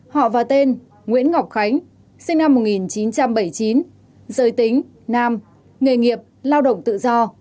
họ và tên nguyễn ngọc khánh sinh năm một nghìn chín trăm bảy mươi chín giới tính nam nghề nghiệp lao động tự do